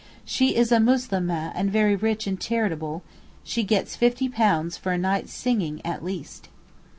She is a Muslimeh and very rich and charitable; she gets £50 for a night's singing at least.